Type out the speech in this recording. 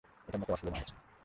এটা মোটেও অশুভ মনে হচ্ছে না।